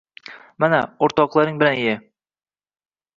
—Mana, o'rtoqlaring bilan ye.